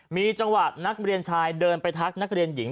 มีจังหวะนักเรียนชายเดินไปทักนักเรียนหญิง